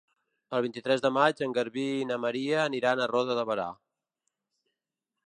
El vint-i-tres de maig en Garbí i na Maria aniran a Roda de Berà.